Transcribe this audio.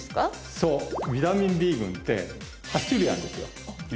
そうビタミンＢ群って８種類あるんですよ